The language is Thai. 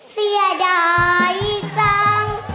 เสียดายจัง